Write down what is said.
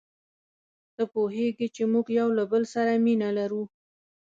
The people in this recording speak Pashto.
ته پوهیږې چي موږ یو له بل سره مینه لرو.